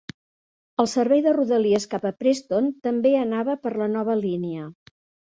El servei de rodalies cap a Preston també anava per la nova línia.